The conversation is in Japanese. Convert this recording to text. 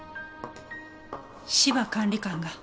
芝管理官が？